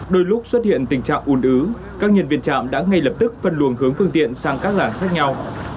đôi lúc xuất hiện tình trạng ủn ứ các nhân viên trạm đã ngay lập tức phân luồng hướng phương tiện sang các làng khác nhau